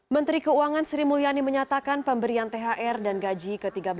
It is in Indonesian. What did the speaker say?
menteri keuangan sri mulyani menyatakan pemberian thr dan gaji ke tiga belas